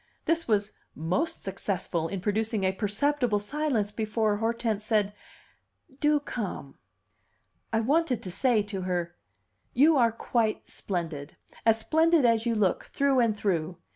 This was most successful in producing a perceptible silence before Hortense said, "Do come." I wanted to say to her, "You are quite splendid as splendid as you look, through and through!